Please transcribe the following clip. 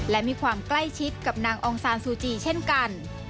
และมีความใกล้ชิดกับนางองซานซูจีเช่นกัน